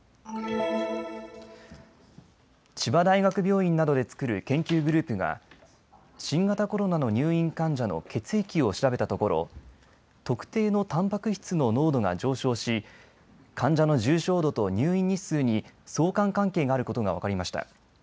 千葉大学病院などで作る研究グループが新型コロナの入院患者の血液を調べたところ特定のたんぱく質の濃度が上昇し患者の重症度と入院日数に相関関係があることが分かりました。